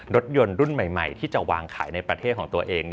รถยนต์รุ่นใหม่ที่จะวางขายในประเทศของตัวเอง